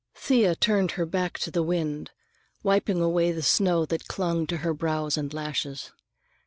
Thea turned her back to the wind, wiping away the snow that clung to her brows and lashes.